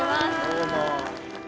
どうも。